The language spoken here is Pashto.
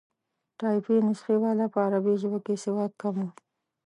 ټایپي نسخې والا په عربي ژبه کې سواد کم وو.